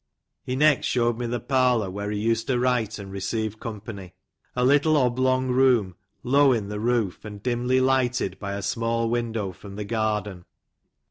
He next showed me tbe parlour where be used to write and receive company. A little oblong room, low in the roof, and dimly lighted by a small window from the garden.